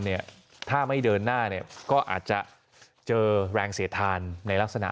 เนี่ยถ้าไม่เดินหน้าเนี่ยก็อาจจะเจอแรงเสียทานในลักษณะ